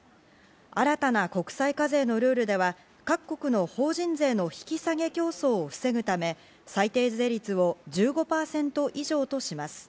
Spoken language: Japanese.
新たな国際課税のルールでは各国の法人税の引き下げ競争を防ぐため、最低税率を１５％以上とします。